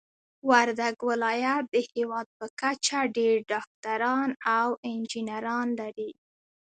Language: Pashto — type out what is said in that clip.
وردګ ولايت د هيواد په کچه ډير ډاکټران او انجنيران لري.